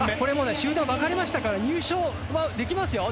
集団分かれましたから入賞はできますよ。